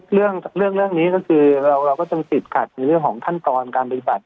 เรื่องนี้ก็คือเราก็จึงติดขัดในเรื่องของขั้นตอนการปฏิบัติ